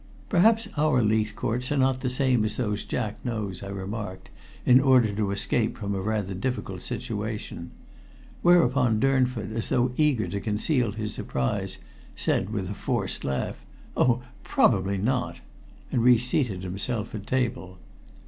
"Perhaps our Leithcourts are not the same as those Jack knows," I remarked, in order to escape from a rather difficult situation; whereupon Durnford, as though eager to conceal his surprise, said with a forced laugh, "Oh! probably not," and reseated himself at table.